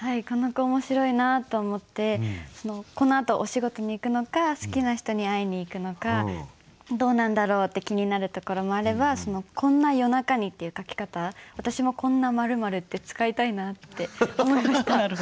この句面白いなと思ってこのあとお仕事に行くのか好きな人に会いに行くのかどうなんだろうって気になるところもあれば「こんな夜中に」っていう書き方私も「こんな○○」って使いたいなって思いました。